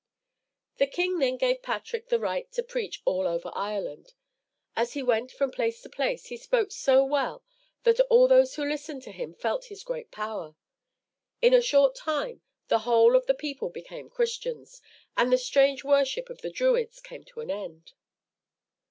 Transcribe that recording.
The king then gave Patrick the right to preach all over Ireland. As he went from place to place, he spoke so well that all those who listened to him felt his great power. In a short time the whole of the people became Christians, and the strange worship of the Druids came to an end.